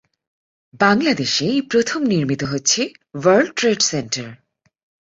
বাংলাদেশে এই প্রথম নির্মিত হচ্ছে "ওয়ার্ল্ড ট্রেড সেন্টার"।